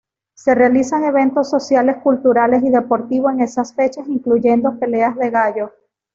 Se realizan eventos sociales, culturales y deportivos en esas fechas, incluyendo peleas de gallos.